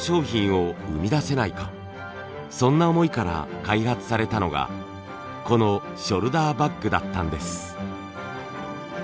そんな思いから開発されたのがこのショルダーバッグだったんです。